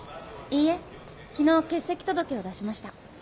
いいえ昨日欠席届を出しました。